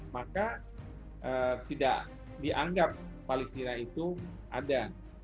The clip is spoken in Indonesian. maka tidak dianggap palestina itu ada